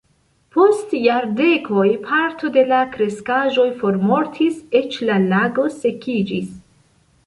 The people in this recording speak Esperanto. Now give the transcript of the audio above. Post jardekoj parto de la kreskaĵoj formortis, eĉ la lago sekiĝis.